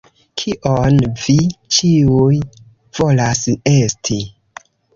Kion... vi ĉiuj volas esti.